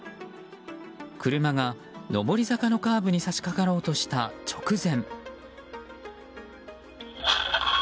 車が上り坂のカーブに差し掛かろうとした直前。